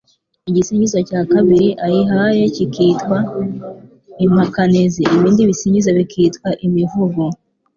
igisingizo cya kabiri ayihaye kikitwa impakanizi, ibindi bisingizo bikitwa imivugo